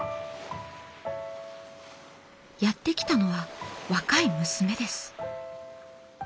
やって来たのは若い娘です。